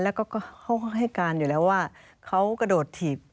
แล้วก็เขาให้การอยู่แล้วว่าเขากระโดดถีบ